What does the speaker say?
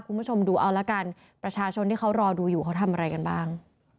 คุณผู้ชมดูเอาละกันประชาชนที่เขารอดูอยู่เขาทำอะไรกันบ้าง